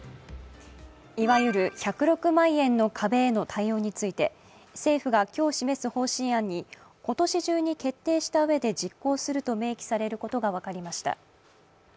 いわゆる１０６万円の壁への対応について政府が今日示す方針案に今年中に決定したうえで実行すると明記されることが分かりました。